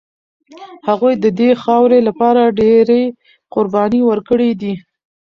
هغوی د دې خاورې لپاره ډېرې قربانۍ ورکړي دي.